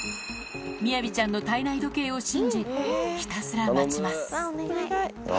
みやびちゃんの体内時計を信じ、ひたすら待ちます。